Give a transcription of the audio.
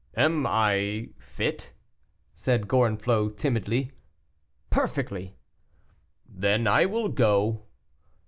"Am I fit?" said Gorenflot, timidly. "Perfectly." "Then I will go."